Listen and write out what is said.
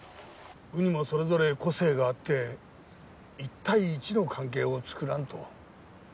鵜にもそれぞれ個性があって１対１の関係をつくらんと